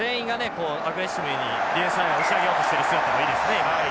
こうアグレッシブにディフェンスラインを押し上げようとしている姿もいいですね。